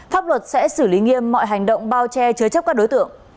pháp luật sẽ xử lý nghiêm mọi hành động bao che chứa chấp các đối tượng